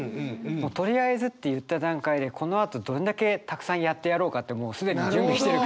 「とりあえず」って言った段階でこのあとどんだけたくさんやってやろうかってもう既に準備してる。